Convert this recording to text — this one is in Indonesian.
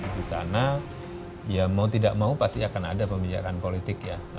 di sana ya mau tidak mau pasti akan ada pembicaraan politik ya